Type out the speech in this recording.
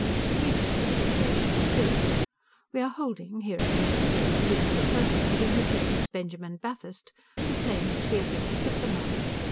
Briefly, the situation is this: We are holding, here at the Ministry of Police, a person giving his name as Benjamin Bathurst, who claims to be a British diplomat.